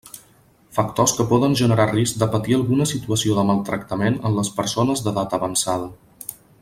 Factors que poden generar risc de patir alguna situació de maltractament en les persones d'edat avançada.